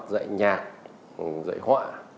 dạy nhạc dạy họa